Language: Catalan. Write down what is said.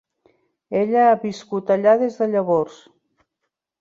Ella ha viscut allà des de llavors.